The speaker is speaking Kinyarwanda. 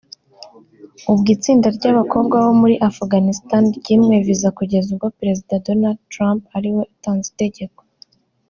ubwo itsinda ry’abakobwa bo muri Afghanistan ryimwe visa kugeza ubwo perezida Donald Trump ariwe utanze itegeko